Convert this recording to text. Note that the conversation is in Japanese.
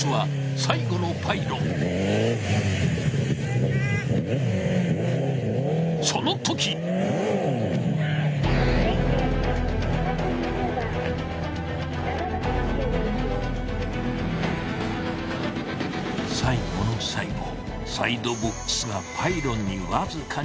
最後の最後サイドボックスがパイロンに僅かに接触。